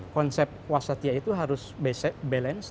konsep wasatiyah itu harus balance